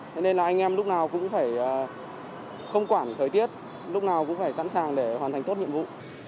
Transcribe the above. thế nên là anh em lúc nào cũng phải không quản thời tiết lúc nào cũng phải sẵn sàng để hoàn thành tốt nhiệm vụ